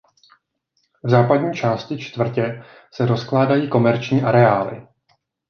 V západní části čtvrtě se rozkládají komerční areály.